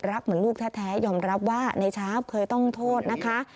เหมือนลูกแท้ยอมรับว่าในชาร์ฟเคยต้องโทษนะคะ